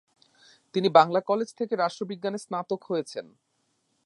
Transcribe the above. তিনি বাংলা কলেজ থেকে রাষ্ট্রবিজ্ঞানে স্নাতক হয়েছেন।